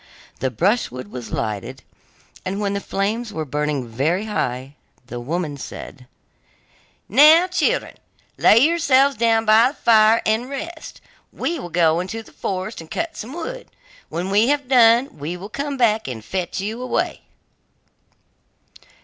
The brushwood was lighted, and when the flames were burning very high, the woman said: 'Now, children, lay yourselves down by the fire and rest, we will go into the forest and cut some wood. When we have done, we will come back and fetch you away.